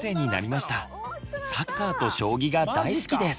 サッカーと将棋が大好きです。